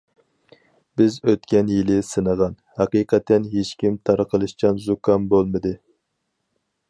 بىز ئۆتكەن يىلى سىنىغان، ھەقىقەتەن ھېچكىم تارقىلىشچان زۇكام بولمىدى.